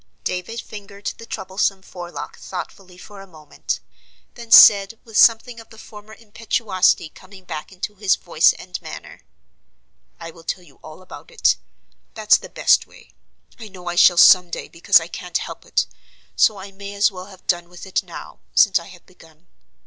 David fingered the troublesome forelock thoughtfully for a moment, then said, with something of the former impetuosity coming back into his voice and manner: "I will tell you all about it; that's the best way: I know I shall some day because I can't help it; so I may as well have done with it now, since I have begun.